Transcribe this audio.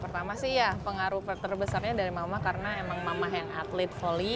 pertama pengaruh terbesarnya dari mama karena memang mama yang atlet volley